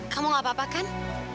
kamu gak apa apa kan